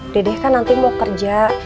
dedeh kan nanti mau kerja